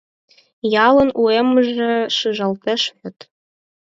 — Ялын уэммыже шижалтеш вет?